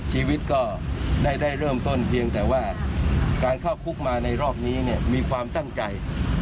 ชีวิตก็ได้เริ่มต้นเพียงแต่ว่าการเข้าคุกมาในรอบนี้เนี่ยมีความตั้งใจ